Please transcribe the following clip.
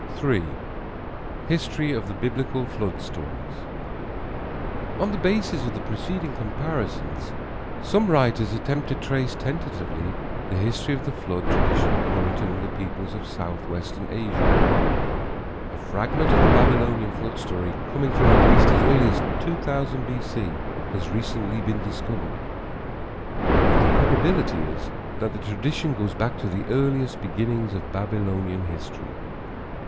III. HISTORY OF THE BIBLICAL FLOOD STORIES. On the basis of the preceding comparisons some writers attempt to trace tentatively the history of the flood tradition current among the peoples of southwestern Asia. A fragment of the Babylonian flood story, coming from at least as early as 2000 B.C., has recently been discovered. The probability is that the tradition goes back to the earliest beginnings of Babylonian history.